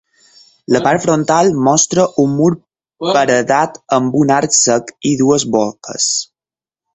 La part frontal mostra un mur paredat amb un arc cec i dues boques.